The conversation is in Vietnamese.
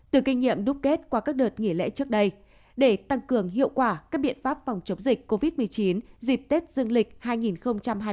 từ kinh nghiệm đúc kết qua các đợt nghỉ lễ trước đây để tăng cường hiệu quả các biện pháp phòng chống dịch covid một mươi chín dịp tết dương lịch hai nghìn hai mươi